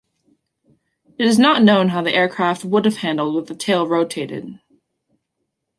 It is not known how the aircraft would have handled with the tail rotated.